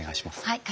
はい。